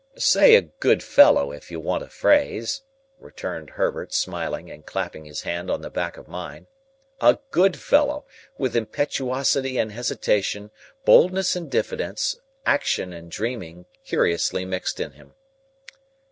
"Say a good fellow, if you want a phrase," returned Herbert, smiling, and clapping his hand on the back of mine—"a good fellow, with impetuosity and hesitation, boldness and diffidence, action and dreaming, curiously mixed in him."